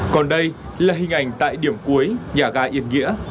còn đây là hình ảnh tại điểm cuối nhà ga yên nghĩa